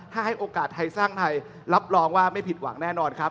ถ้าให้โอกาสไทยสร้างไทยรับรองว่าไม่ผิดหวังแน่นอนครับ